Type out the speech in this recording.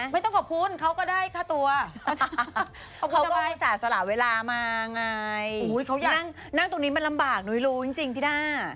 ไม่ต้องขอบคุณเขาก็ได้ค่าตัวขอบคุณทำไมสาธารณาเวลามาไงโอ้โหเขาอยากนั่งตรงนี้มันลำบากนุ้ยรู้จริงจริงพี่ด้า